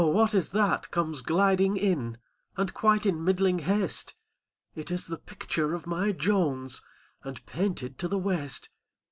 what is that comes gliding in, And quite in middling haste? It is the picture of my Jones, And painted to the waist.